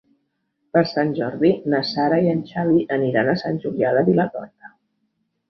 Per Sant Jordi na Sara i en Xavi aniran a Sant Julià de Vilatorta.